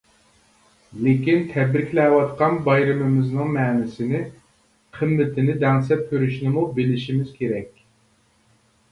لېكىن تەبرىكلەۋاتقان بايرىمىمىزنىڭ مەنىسىنى، قىممىتىنى دەڭسەپ كۆرۈشىنىمۇ بىلىشىمىز كېرەك.